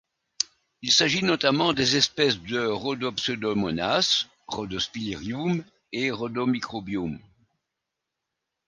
Il s'agit notamment des espèces de Rhodopseudomonas Rhodospirillum et Rhodomicrobium.